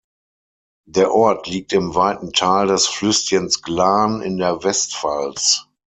Der Ort liegt im weiten Tal des Flüsschens Glan in der Westpfalz.